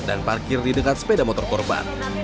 dan parkir di dekat sepeda motor korban